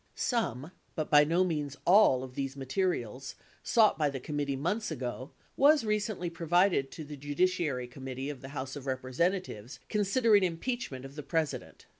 Some, but by no means all, of these materials sought by the com mittee months ago was recently provided to the Judiciary Committee of the House of Representatives considering impeachment of the President.